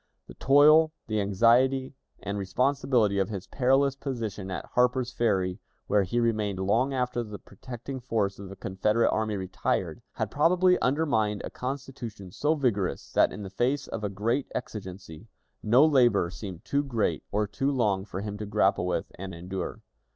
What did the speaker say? The toil, the anxiety, and responsibility of his perilous position at Harper's Ferry, where he remained long after the protecting force of the Confederate army retired, had probably undermined a constitution so vigorous that, in the face of a great exigency, no labor seemed too great or too long for him to grapple with and endure.